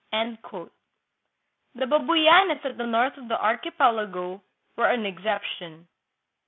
The Babuyanes at the north of the archipelago were an exception.